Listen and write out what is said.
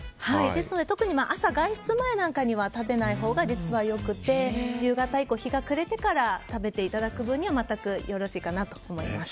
ですので特に朝外出前なんかには食べないほうが実はよくて夕方以降日が暮れてから食べていただく分には全くよろしいかなと思います。